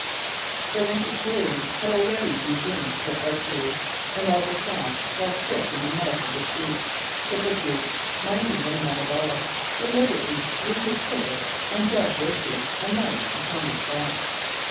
The Lancastrians had already resumed their archery, and the shafts fell thick in the mouth of the street; but the duke, minding them not at all, deliberately drew his sword and dubbed Richard a knight upon the spot.